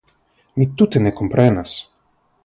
Mi tute ne komprenas!